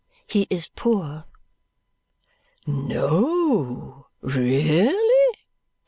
"He is poor." "No, really?"